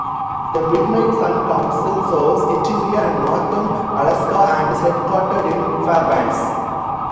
The Midnight Sun Council serves interior and northern Alaska, and is headquartered in Fairbanks.